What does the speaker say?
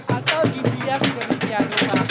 atau di bias demikianus